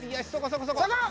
そこ！